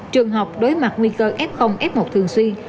trường học đối mặt nguy cơ f f một thường xuyên